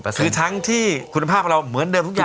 คือทั้งที่คุณภาพเราเหมือนเดิมทุกอย่าง